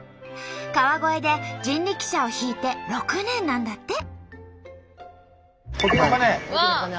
川越で人力車を引いて６年なんだって。